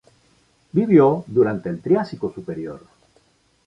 Vivió durante el Triásico Superior.